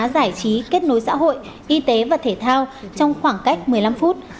giải trí kết nối xã hội y tế và thể thao trong khoảng cách một mươi năm phút